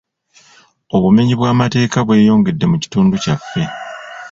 Obumenyi bw'amateeka bweyongedde mu kitundu kyaffe.